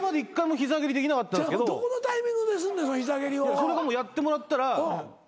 それがやってもらったら。